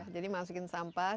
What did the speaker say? jadi masukin sampah di sini